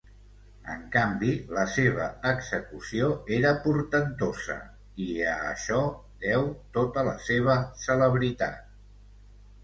En canvi la seva execució era portentosa, i a això, deu tota la seva celebritat.